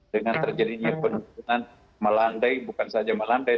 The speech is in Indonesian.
dengan terjadinya penurunan malandai bukan saja malandai